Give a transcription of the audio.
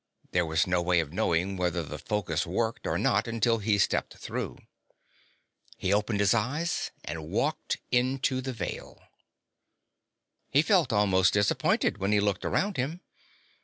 There was no way of knowing whether the focus worked or not until he stepped through. He opened his eyes and walked into the Veil. He felt almost disappointed when he looked around him.